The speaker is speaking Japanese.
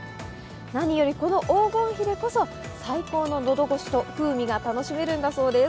何より、この黄金比でこそ最高ののど越しと風味が楽しめるんだそうです。